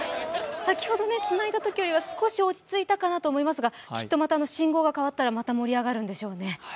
先ほど、つないだときよりは少し落ち着いたかなと思いますがきっとまた信号が変わったらまた盛り上がるんでしょうね。